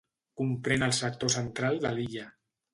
Comprén el sector central de l'illa.